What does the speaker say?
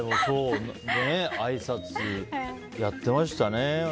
あいさつ、やってましたね。